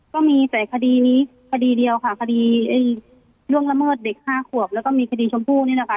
ก็มีแต่คดีนี้คดีเดียวค่ะคดีล่วงละเมิดเด็ก๕ขวบแล้วก็มีคดีชมพู่นี่แหละค่ะ